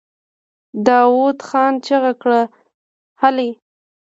داوود خان چيغه کړه! هلئ!